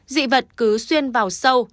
dị vật cứ xuyên vào sâu